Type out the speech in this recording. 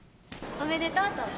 おめでとう陶子。